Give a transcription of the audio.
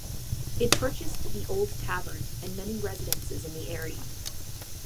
It purchased the Old Tavern and many residences in the area.